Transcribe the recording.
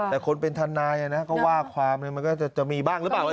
แต่คนเป็นทนายก็ว่าความมันก็จะมีบ้างหรือเปล่า